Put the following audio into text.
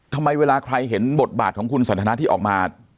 ทำไมเวลาใครเห็นบทบาทของคุณสันทนาที่ออกมา